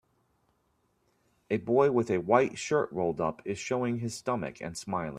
A boy with a white shirt rolled up is showing his stomach and smiling.